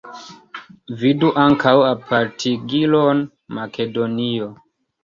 Vidu ankaŭ apartigilon Makedonio.